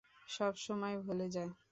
সবসময় ভুলে যায়।